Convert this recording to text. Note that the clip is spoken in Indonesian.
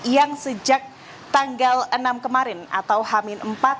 yang sejak tanggal enam kemarin atau hamin empat